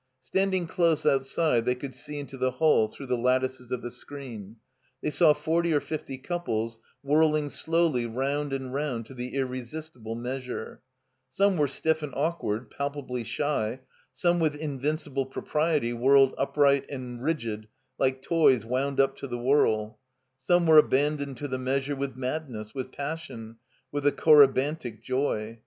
Standing dose outside, they could see into the hall through the lattices of the screen. They saw forty or fifty couples whirling slowly round and round to the irresistible measure; some were stiff and awk ward, palpably shy; some with invincible propriety whirled upright and rigid, like tojrs wound up to whirl; some were abandoned to the measure with madness, with passion, with a corybantic joy.